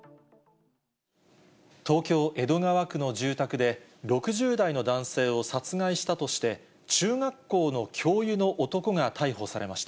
東京・江戸川区の住宅で、６０代の男性を殺害したとして、中学校の教諭の男が逮捕されました。